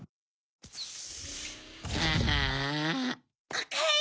おかえり！